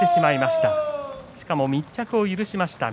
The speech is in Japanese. しかも密着を許しました